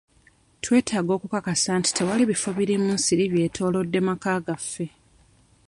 Twetaaga okukakasa nti tewali bifo birimu nsiri byetoolodde maka gaffe.